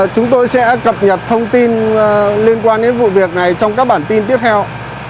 chúng tôi sẽ cập nhật thông tin liên quan đến vụ việc này trong các bản tin tiếp theo